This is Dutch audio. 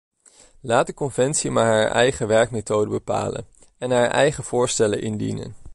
Laat de conventie maar haar eigen werkmethode bepalen en haar eigen voorstellen indienen.